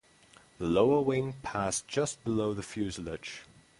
The lower wing passed just below the fuselage.